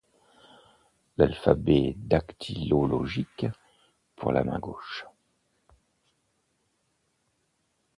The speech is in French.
L'alphabet dactylologique pour la main gauche.